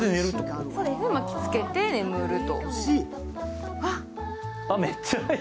そうです、巻きつけて眠る。